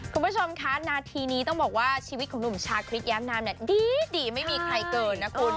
คุณผู้ชมคะนาทีนี้ต้องบอกว่าชีวิตของหนุ่มชาคริสแย้มนามเนี่ยดีไม่มีใครเกินนะคุณ